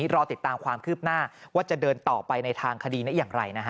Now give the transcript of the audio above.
รอติดตามความคืบหน้าว่าจะเดินต่อไปในทางคดีได้อย่างไรนะฮะ